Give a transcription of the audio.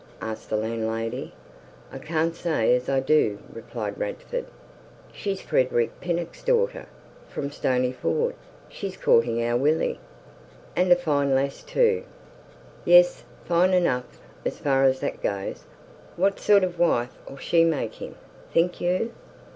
asked the landlady. "I can't say as I do," replied Radford. "She's Frederick Pinnock's daughter, from Stony Ford. She's courting our Willy." "And a fine lass, too." "Yes, fine enough, as far as that goes. What sort of a wife'll she make him, think you?"